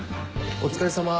お疲れさま。